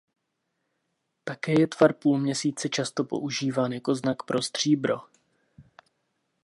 Také je tvar půlměsíce často používán jako znak pro stříbro.